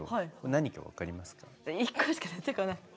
１個しか出てこない。